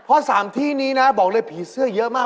เพราะ๓ที่นี้นะบอกเลยผีเสื้อเยอะมาก